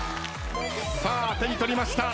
さあ手に取りました。